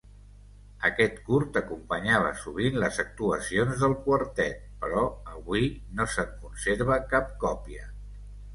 Aquest curt acompanyava sovint les actuacions del quartet, però avui no se’n conserva cap còpia.